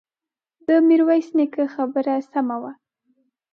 د ميرويس نيکه خبره سمه وه.